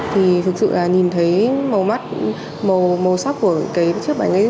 thì thực sự là nhìn thấy màu mắt màu sắc của cái chiếc bánh ấy